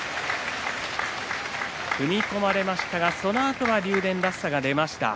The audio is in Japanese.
踏み込まれましたがそのあとは竜電らしさが出ました。